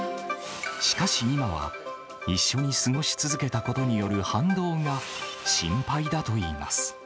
しかし今は、一緒に過ごし続けたことによる反動が心配だといいます。